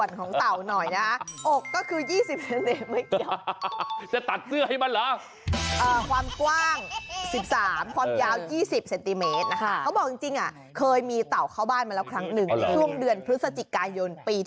ต่อต่อต่อต่อต่อต่อต่อต่อต่อต่อต่อต่อต่อต่อต่อต่อต่อต่อต่อต่อต่อต่อต่อต่อต่อต่อต่อต่อต่อต่อต่อต่อต่อต่อต่อต่อต่อต่อต่อต่อต่อต่อต่อต่อต่อต่อต่อต่อต่อต่อต่อต่อต่อต่อต่อต